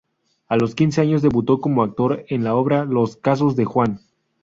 A los quince años debutó como actor en la obra "Los casos de Juan".